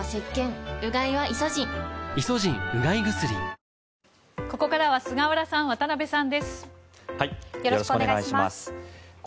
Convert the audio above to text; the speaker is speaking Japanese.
ここからは菅原さん、渡辺さんです。